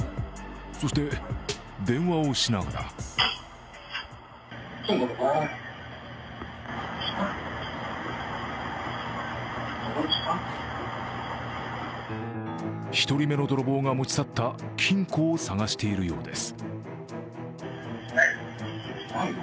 そして電話をしながら１人目の泥棒が持ち去った金庫を探しているようです。